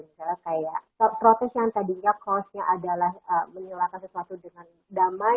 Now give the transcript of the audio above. misalnya kayak protes yang tadinya cost nya adalah menyulakan sesuatu dengan damai